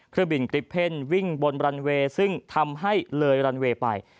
เครื่องบินกริปเพ่นวิ่งบนบรันเวย์ซึ่งทำให้เลยรันเวย์ไป